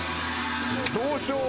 どうしよう？